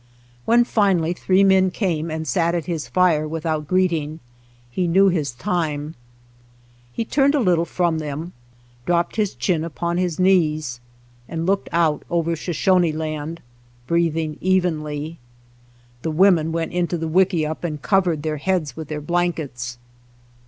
When finally three men came and sat at his fire without greeting he knew his time. 99 SHOSHONE LAND He turned a little from theni, dropped his chin upon his knees, and looked out over Shoshone Land, breathing evenly. The women went into the wickiup and covered their heads with their blankets.